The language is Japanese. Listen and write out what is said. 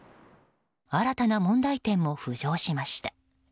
新たな問題点も浮上しました。